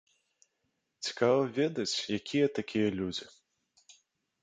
Цікава ведаць, якія такія людзі.